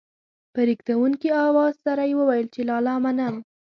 په رېږېدونکي اواز سره يې وويل چې لالا منم.